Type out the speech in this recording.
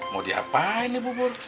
mau diapain ya bubur